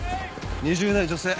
２０代女性。